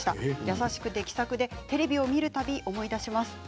優しくて、気さくでテレビを見るたび思い出します。